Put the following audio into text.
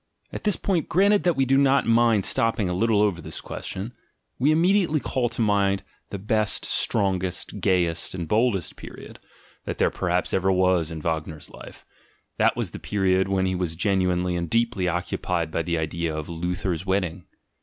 At this point (granted that we do not mind stopping a little over this question), we immediately call to mind the best, strong est, gayest, and boldest period, that there perhaps ever was in Wagner's life: that was the period when he was gen uinely and deeply occupied with the idea of "Luther's Wedding."